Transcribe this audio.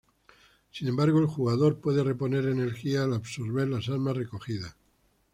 Sin embargo, el jugador puede reponer energía al absorber las armas recogidas.